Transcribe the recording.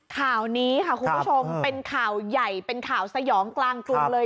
ข่าวนี้ค่ะคุณผู้ชมเป็นข่าวใหญ่เป็นข่าวสยองกลางกรุงเลย